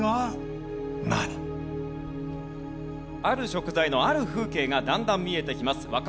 ある食材のある風景がだんだん見えてきます。